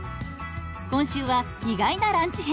今週は意外なランチ編。